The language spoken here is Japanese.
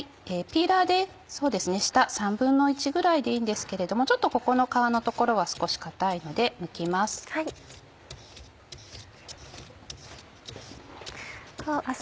ピーラーで下１／３ぐらいでいいんですけれどもちょっとここの皮の所は少し硬いのでむきます。